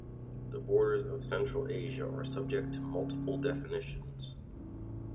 The borders of Central Asia are subject to multiple definitions.